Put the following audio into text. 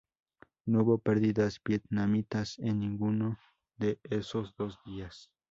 No hubo perdidas vietnamitas en ninguno de esos dos días.